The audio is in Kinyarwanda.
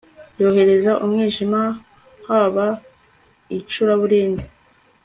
yohereza umwijima, haba icuraburindi